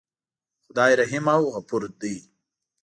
خدای رحیم او غفور دی.